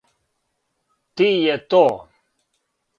Ти је то.